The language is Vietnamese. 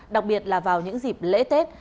đặc biệt là vào những dịp lễ tết